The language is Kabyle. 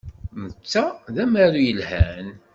Netta d amaru yelhan.